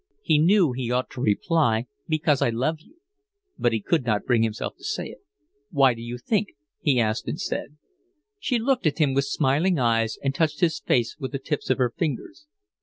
He knew he ought to reply: "Because I love you." But he could not bring himself to say it. "Why do you think?" he asked instead. She looked at him with smiling eyes and touched his face with the tips of her fingers.